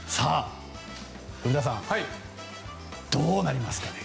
古田さん、どうなりますか？